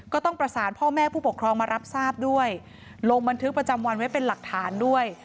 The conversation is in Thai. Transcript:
ก็ต้องประสานพ่อแม่ผู้ปกครองมารับทราบด้วยลงบันทึกประจำวันไว้เป็นหลักฐานด้วย